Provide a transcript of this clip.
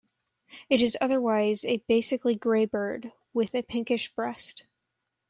It is otherwise a basically grey bird, with a pinkish breast.